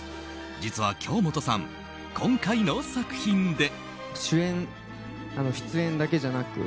実は京本さん、今回の作品で。